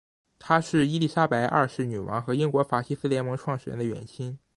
他是伊丽莎白二世女王和英国法西斯联盟创始人的远亲。